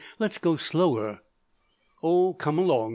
"Let's go slower." "Oh, come along!"